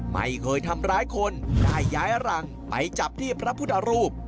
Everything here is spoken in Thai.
ไม่เคยทำร้ายคนได้ย้ายรังไปจับที่พระพุทธรูป